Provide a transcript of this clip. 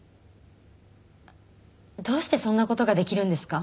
どうしてそんな事ができるんですか？